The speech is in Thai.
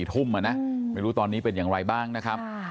ทุ่มไม่รู้ตอนนี้เป็นอย่างไรบ้างนะครับ